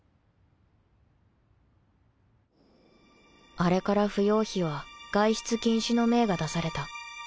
あれから芙蓉妃は外出禁止の命が出された